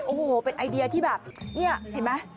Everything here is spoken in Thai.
โอ้โหเป็นไอเดียที่แบบนี่เห็นไหม